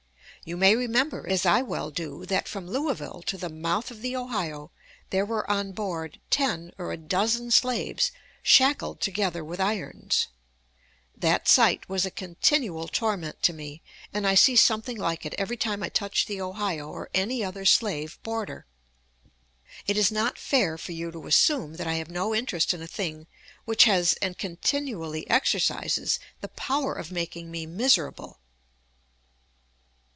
You may remember, as I well do, that from Louisville to the mouth of the Ohio there were on board ten or a dozen slaves shackled together with irons. That sight was a continual torment to me, and I see something like it every time I touch the Ohio or any other slave border. It is not fair for you to assume that I have no interest in a thing which has, and continually exercises, the power of making me miserable."